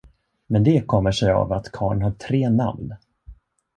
Men det kommer sig av att karlen har tre namn.